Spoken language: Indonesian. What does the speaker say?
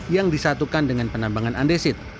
yang disatukan dengan penambangan andesit